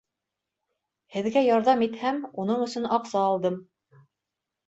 Һеҙгә ярҙам итһәм, уның өсөн аҡса алдым.